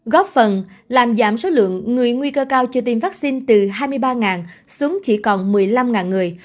góp phần làm giảm số lượng người nguy cơ cao chưa tiêm vaccine từ hai mươi ba xuống chỉ còn một mươi năm người